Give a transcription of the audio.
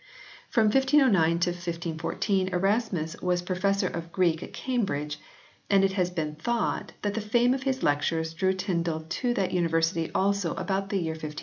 From 1509 to 1514 Erasmus was Pro fessor of Greek at Cambridge and it has been thought that the fame of his lectures drew Tyndale to that University also about the year 1510.